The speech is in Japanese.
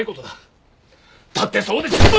だってそうでしょ。